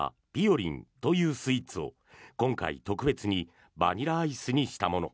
りんというスイーツを今回、特別にバニラアイスにしたもの。